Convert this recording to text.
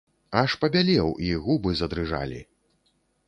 Аж пабялеў, і губы задрыжалі.